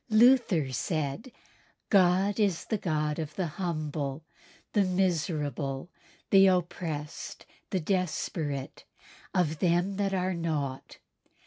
Luther said, "God is the God of the humble, the miserable, the oppressed, the desperate, of them that are naught.